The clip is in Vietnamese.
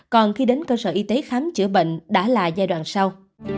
còn khi đến cơ sở y tế khám chữa bệnh đã là giai đoạn sau